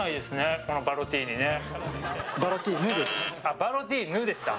バロティーヌでした。